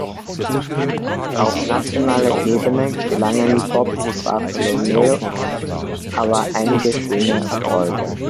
Auf nationaler Ebene gelangen Bob Bartholomew aber einige schöne Erfolge.